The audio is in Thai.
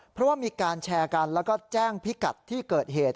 เพราะว่ามีการแชร์กันแล้วก็แจ้งพิกัดที่เกิดเหตุ